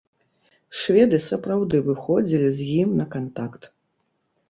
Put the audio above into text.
Шведы сапраўды выходзілі з ім на кантакт.